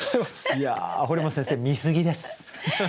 いや堀本先生見すぎです。